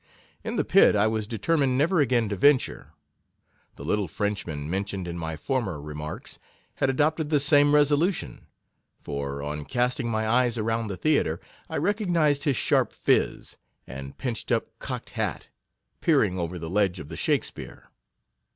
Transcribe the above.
In the pit I was determined never again to venture. The little French man, mentioned in my former remarks, had adopted the same resolution ; for, on casting my eyes around the Theatre, I recognised his sharp phiz, and pinched up cocked hat, peering over the ledge of the Shakspeare.